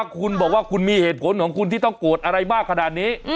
คุณบอกว่าคุณมีเหตุผลของคุณที่ต้องโกรธอะไรมากขนาดนี้